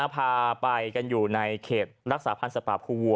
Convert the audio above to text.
พาไปกันอยู่ในเขตรักษาพันธ์สัตว์ป่าภูวั